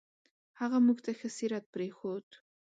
هغه موږ ته ښه سیرت پرېښود.